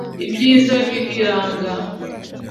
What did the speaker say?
ibyiza biriranga.